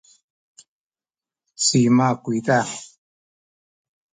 cima kuyza?